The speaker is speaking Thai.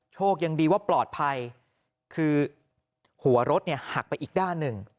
โชคดีว่าปลอดภัยคือหัวรถเนี่ยหักไปอีกด้านหนึ่ง